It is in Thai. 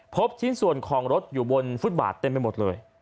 พบชิ้นส่วนของรถอยู่บนฟุตบาทเต็มไปหมดเลย